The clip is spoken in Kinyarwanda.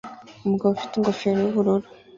Umugabo ufite ingofero yubururu